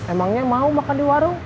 emangnya mau makan di warung